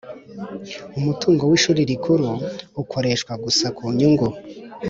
Umutungo wa Ishuri Rikuru ukoreshwa gusa ku nyungu